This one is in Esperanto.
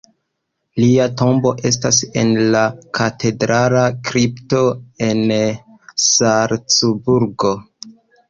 Lia tombo estas en la katedrala kripto en Salcburgo.